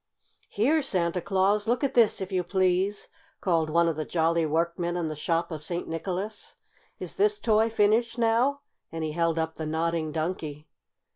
"Here, Santa Claus, look at this, if you please!" called one of the jolly workmen in the shop of St. Nicholas. "Is this toy finished, now?" and he held up the Nodding Donkey.